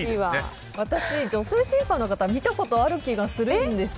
私、女性審判の方を見たことがある気がするんです。